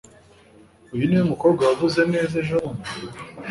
Uyu niwe mukobwa wavuze neza ejobundi?